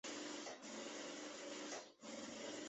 如今的明斋是清华大学社会科学学院的院馆。